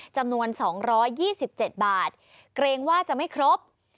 จำนวน๒๒๗บาทเกรงว่าจะไม่ครบ